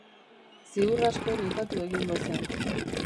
Ziur asko nekatu egingo zen.